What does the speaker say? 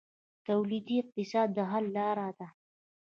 تولیدي اقتصاد د حل لاره ده